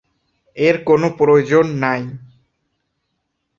এর কোনো প্রয়োজন নাই।